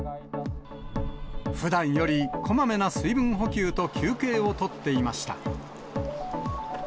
ふだんよりこまめな水分補給と休憩を取っていました。